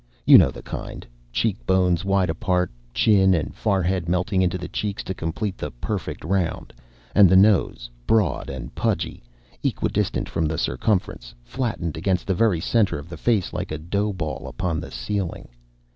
You know the kind, cheek bones wide apart, chin and forehead melting into the cheeks to complete the perfect round, and the nose, broad and pudgy, equidistant from the circumference, flattened against the very centre of the face like a dough ball upon the ceiling.